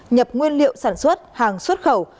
nhập nguyên liệu sản xuất hàng xuất khẩu